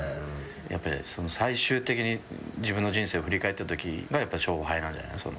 やっぱり最終的に自分の人生を振り返ったときが勝敗なんじゃないの？